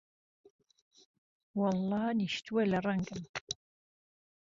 وهڵڵا نیشتووه له رهنگم